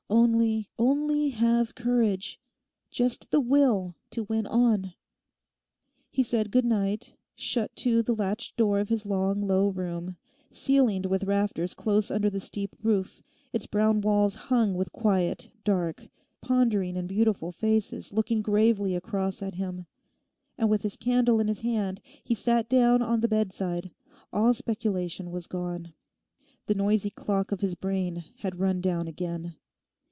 Only, only have courage—just the will to win on.' He said good night; shut to the latched door of his long low room, ceilinged with rafters close under the steep roof, its brown walls hung with quiet, dark, pondering and beautiful faces looking gravely across at him. And with his candle in his hand he sat down on the bedside. All speculation was gone. The noisy clock of his brain had run down again.